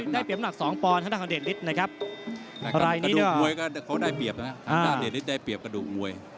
ทางด้านเดะริดได้เปรียบกระดูกมวย